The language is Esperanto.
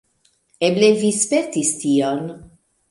Eble vi spertis tion.